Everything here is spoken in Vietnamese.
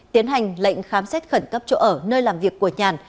tiến hành lệnh khám xét khẩn cấp chỗ ở nơi làm việc của nhàn